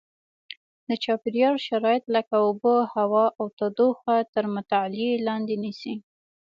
د چاپېریال شرایط لکه اوبه هوا او تودوخه تر مطالعې لاندې نیسي.